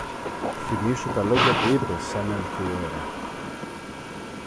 Θυμήσου τα λόγια που είπες, σαν έλθει η ώρα